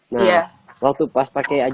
nah waktu pas pakai